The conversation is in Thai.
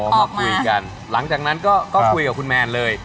มาคุยกันหลังจากนั้นก็คุยกับคุณแมนเลย